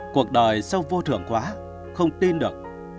cuộc đời sống vô thường quá không tin được